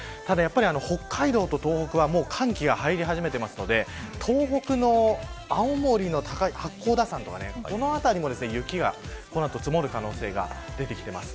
北海道と東北は寒気が入り始めているので東北の青森の八甲田山やこの辺りも雪が積もる可能性があります。